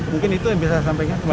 mungkin itu yang bisa disampaikan